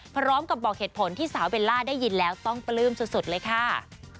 พร้อมกับบอกเหตุผลที่สาวเบลล่าได้ยินแล้วต้องปลื้มสุดเลยค่ะ